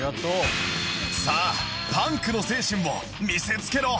さあパンクの精神を見せつけろ！